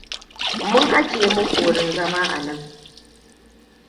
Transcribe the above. Mun ajiye muku wurin zama a nan.